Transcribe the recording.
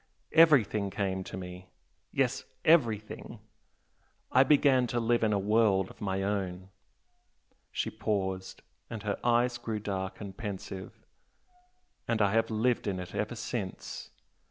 Everything came to me! yes, everything! I began to live in a world of my own " she paused, and her eyes grew dark and pensive, "and I have lived in it ever since.